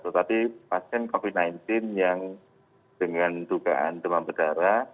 tetapi pasien covid sembilan belas yang dengan dugaan demam berdarah